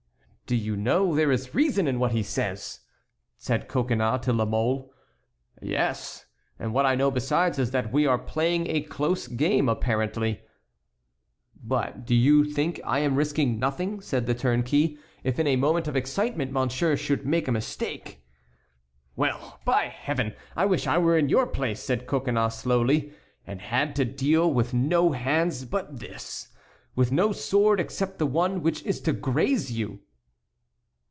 "Do you know, there is reason in what he says!" said Coconnas to La Mole. "Yes; and what I know besides is that we are playing a close game, apparently." "But do you think I am risking nothing?" said the turnkey. "If in a moment of excitement monsieur should make a mistake"— "Well! by Heaven! I wish I were in your place," said Coconnas, slowly, "and had to deal with no hand but this; with no sword except the one which is to graze you."